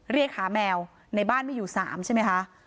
เรียกหาแมวในบ้านมีอยู่๓ใช่ไหมคะ